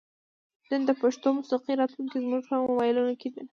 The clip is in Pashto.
نن د پښتو موسیقۍ راتلونکې زموږ په موبایلونو کې ده.